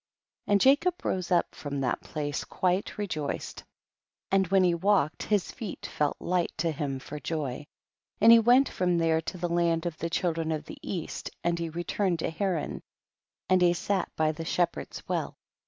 4. And Jacob rose up from that place quite rejoiced, and when he walked his feet felt light to him for joy, and he went from there to the land of the children of the East, and he returned to Haran and he sat by the shepherd's well.